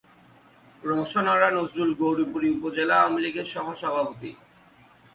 রওশন আরা নজরুল গৌরীপুর উপজেলা আওয়ামী লীগের সহ-সভাপতি।